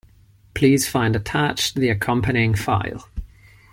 Please find attached the accompanying file.